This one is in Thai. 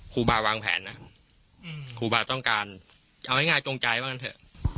ครูบาวางแผนอ่ะอืมครูบาต้องการเอาให้ง่ายจงใจบ้างกันเถอะ